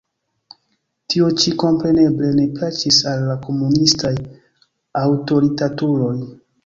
Tio-ĉi, kompreneble, ne plaĉis al la komunistaj aŭtoritatuloj.